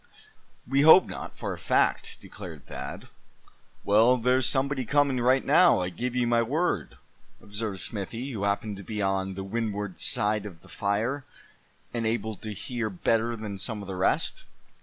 "We hope not, for a fact," declared Thad. "Well, there's somebody coming right now, I give you my word!" observed Smithy, who happened to be on the windward side of the fire, and able to hear better than some of the rest.